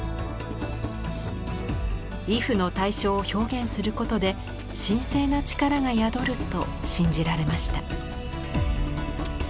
畏怖の対象を表現することで神聖な力が宿ると信じられました。